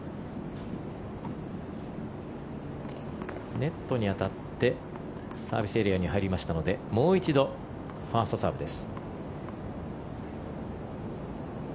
ネットに当たってサービスエリアに入りましたのでもう一度ファーストサーブです。